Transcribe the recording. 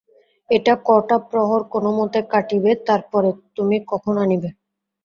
এই কটা প্রহর কোনোমতে কাটিবে, তার পরে–তমি কখন আনিবে?